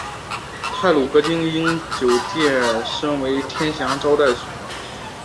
太鲁阁晶英酒店前身为天祥招待所。